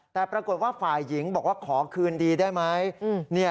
แต่ปรากฏว่าฝ่ายหญิงบอกว่าขอคืนดีได้ไหม